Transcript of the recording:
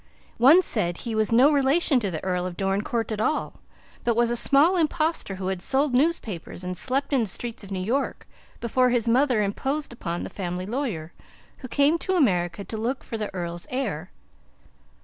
One said he was no relation to the Earl of Dorincourt at all, but was a small impostor who had sold newspapers and slept in the streets of New York before his mother imposed upon the family lawyer, who came to America to look for the Earl's heir.